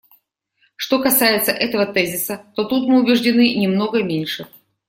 Что касается этого тезиса, то тут мы убеждены немного меньше.